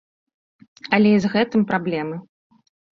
Але і з гэтым праблемы.